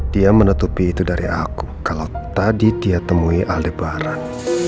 dia menutupi itu dari aku kalau tadi dia temui ada barang